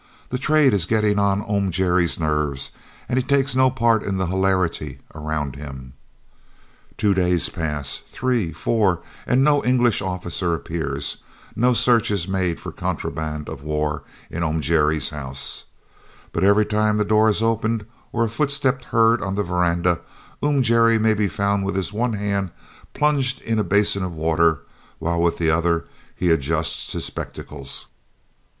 The trade is getting on Oom Gerrie's nerves, and he takes no part in the hilarity around him. Two days pass, three, four, and no English officer appears, no search is made for contraband of war in Oom Gerrie's house; but every time the door is opened or a footstep heard on the verandah, Oom Gerrie may be found with one hand plunged in a basin of water, while with the other he adjusts his spectacles.